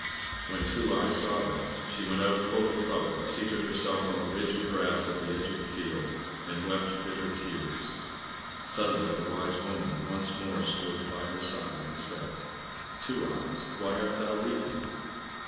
When Two eyes saw that, she went out full of trouble, seated herself on the ridge of grass at the edge of the field, and wept bitter tears. Suddenly the wise woman once more stood by her side, and said, "Two eyes, why art thou weeping?"